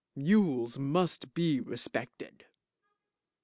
Mules must be respected.